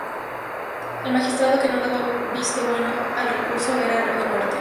El magistrado que no daba visto bueno al recurso, era reo de muerte.